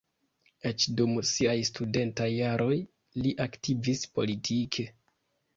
Eĉ dum siaj studentaj jaroj li aktivis politike.